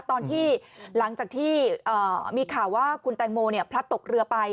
หลังจากที่หลังจากที่มีข่าวว่าคุณแตงโมพลัดตกเรือไป